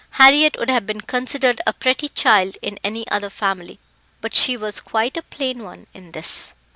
Harriett would have been considered a pretty child in any other family, but she was quite a plain one in this.